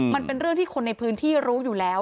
มันเป็นเรื่องที่คนในพื้นที่รู้อยู่แล้ว